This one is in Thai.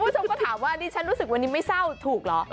แล้วทุกคนก็ถามว่าดีฉันรู้สึกวันนี้ไม่เศร้าถูกหรอ